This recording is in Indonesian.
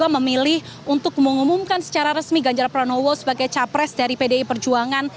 memilih untuk mengumumkan secara resmi ganjar pranowo sebagai capres dari pdi perjuangan